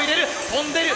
飛んでる！